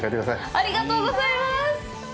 ありがとうございます！